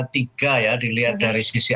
tiga ya dilihat dari sisi